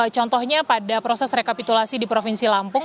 contohnya pada proses rekapitulasi di provinsi lampung